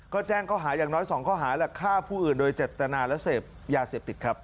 ก็แจ้งข้อหาอย่างน้อย๒ข้อหาและฆ่าผู้อื่นโดยเจตนาและเสพยาเสพติดครับ